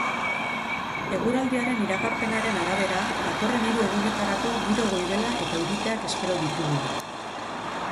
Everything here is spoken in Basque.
Eguraldiaren iragarpenaren arabera, datorren hiru egunetarako giro goibela eta euriteak espero ditugu.